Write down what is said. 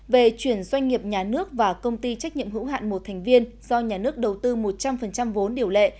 về chuyển doanh nghiệp nhà nước và công ty trách nhiệm hữu hạn một thành viên do nhà nước đầu tư một trăm linh vốn điều lệ